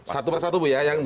satu persatu bu ya